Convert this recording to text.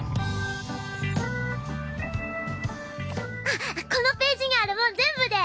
あっこのページにあるもん全部で！